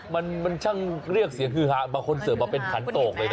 มันช่างเรียกเสียงฮือหาบางคนเสิร์ฟมาเป็นขันโตกเลยนะ